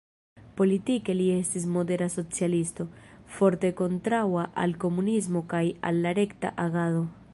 Politike li estis modera socialisto, forte kontraŭa al komunismo kaj al la rekta agado.